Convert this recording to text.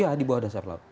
iya di bawah dasar laut